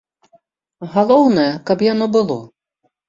Галоўнае, каб яно было.